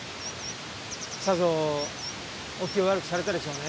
さぞお気を悪くされたでしょうね。